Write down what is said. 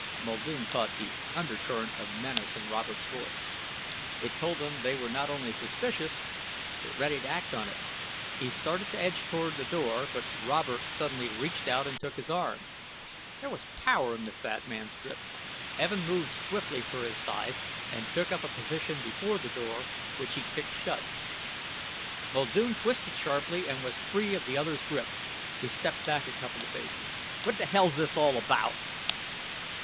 Muldoon caught the undercurrent of menace in Robert's voice. It told him they were not only suspicious but ready to act on it. He started to edge toward the door, but Robert suddenly reached out and took his arm. There was power in the fat man's grip. Evin moved swiftly for his size, and took up a position before the door, which he kicked shut. Muldoon twisted sharply and was free of the other's grip. He stepped back a couple of paces. "What the hell's this all about?"